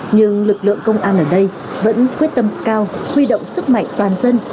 nhưng lực lượng công an ở đây vẫn quyết tâm cao huy động sức mạnh toàn dân